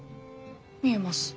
見えます。